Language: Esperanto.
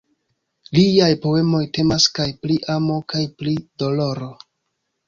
Liaj poemoj temas kaj pri amo kaj pri doloro.